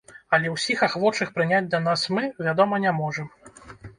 Але ўсіх ахвочых прыняць да нас мы, вядома, не можам.